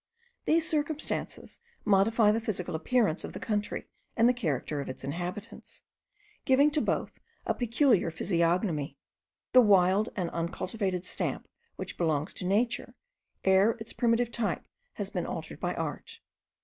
These circumstances modify the physical appearance of the country and the character of its inhabitants, giving to both a peculiar physiognomy; the wild and uncultivated stamp which belongs to nature, ere its primitive type has been altered by art.